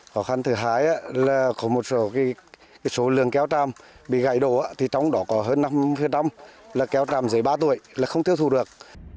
khó khăn thứ hai là có một số lượng keo tràm bị gãy đổ thì trong đó có hơn năm phía trong là keo tràm dưới ba tuổi là không thiêu thù được